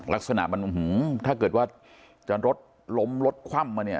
ลักษณะมันถ้าเกิดว่าจะรถล้มรถคว่ำมาเนี่ย